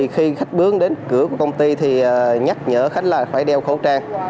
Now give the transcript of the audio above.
khi khách bướng đến cửa của công ty thì nhắc nhở khách là phải đeo khẩu trang